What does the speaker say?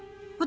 私